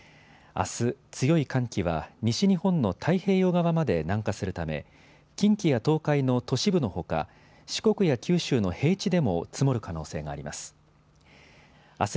あす、強い寒気は西日本の太平洋側まで南下するため、近畿や東海の都市部のほか、四国や九州の平地でも積もる可能性があります。